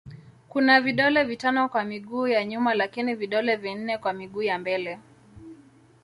Kuna vidole vitano kwa miguu ya nyuma lakini vidole vinne kwa miguu ya mbele.